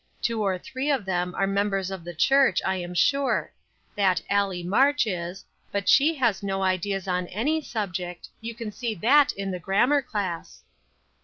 Two or three of them are members of the church, I am sure. That Allie March is, but she has no ideas on any subject; you can see that in the grammar class."